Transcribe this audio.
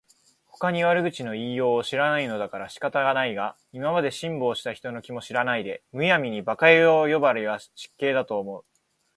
ほかに悪口の言いようを知らないのだから仕方がないが、今まで辛抱した人の気も知らないで、無闇に馬鹿野郎呼ばわりは失敬だと思う